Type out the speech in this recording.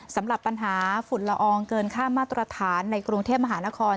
สำหรับปัญหาฝุ่นละอองเกินค่ามาตรฐานในกรุงเทพมหานคร